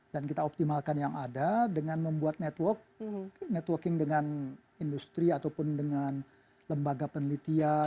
dan kita optimalkan yang ada dengan membuat networking dengan industri ataupun dengan lembaga penelitian